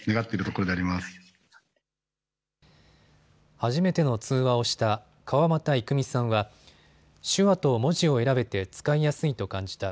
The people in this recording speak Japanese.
初めての通話をした川俣郁美さんは、手話と文字を選べて使いやすいと感じた。